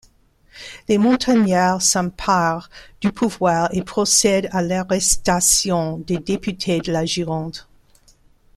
Les Montagnards s'emparent du pouvoir et procèdent à l'arrestation des députés de la Gironde.